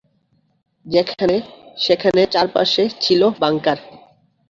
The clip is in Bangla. সেখানে চারপাশে ছিল বাংকার।